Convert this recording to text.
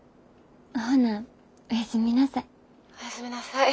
ほなおやすみなさい。